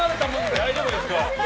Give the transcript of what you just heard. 大丈夫ですか？